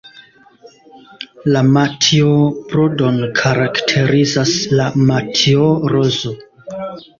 La matjo-brodon karakterizas la "matjo-rozo".